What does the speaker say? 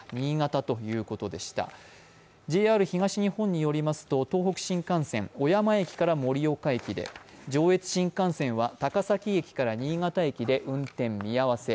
ＪＲ東日本によりますと東北新幹線、小山駅から盛岡駅で、上越新幹線は、高崎駅から新潟駅で運転見合わせ。